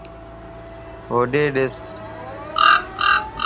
ھوڏي دِس